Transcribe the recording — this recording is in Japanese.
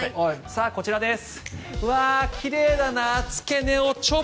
さあ、こちらです。